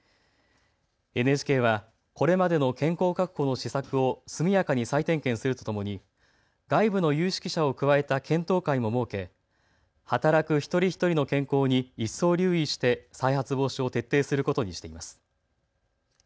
ＮＨＫはこれまでの健康確保の施策を速やかに再点検するとともに外部の有識者を加えた検討会も設け、働く一人一人の健康に一層、留意して再発防止を徹底することにしています。